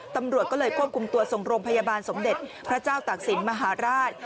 ตำรวจก็เลยควบคุมตัวส่งโรงพยาบาลสมเด็จพระเจ้าตากศิลป์มหาราช